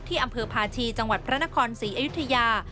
อำเภอพาชีจังหวัดพระนครศรีอยุธยา